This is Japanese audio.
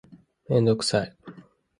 めんどくさい